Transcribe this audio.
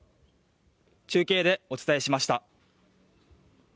中継でお伝えしました。